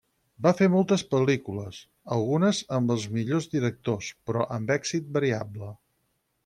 Va fer moltes pel·lícules, algunes amb els millors directors, però amb èxit variable.